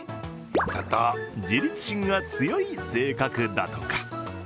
ちょっと自立心が強い性格だとか。